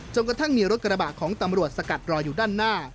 กระทั่งมีรถกระบะของตำรวจสกัดรออยู่ด้านหน้า